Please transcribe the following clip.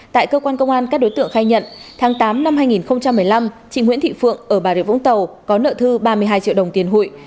tại cơ quan công an các đối tượng khai nhận tháng tám năm hai nghìn một mươi năm chị nguyễn thị phượng ở bà rịa vũng tàu có nợ thư ba mươi hai triệu đồng tiền hụi